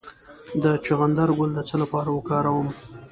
د چغندر ګل د څه لپاره وکاروم؟